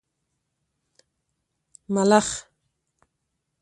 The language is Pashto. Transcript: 🦗 ملخ